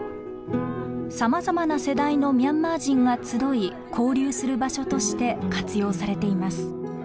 さまざまな世代のミャンマー人が集い交流する場所として活用されています。